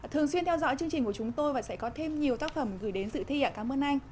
thường xuyên theo dõi chương trình của chúng tôi và sẽ có thêm nhiều tác phẩm gửi đến dự thi ạ cảm ơn anh